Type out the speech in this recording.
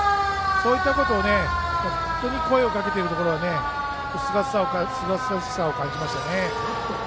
そういったことを本当に声をかけているところにすがすがしさを感じましたね。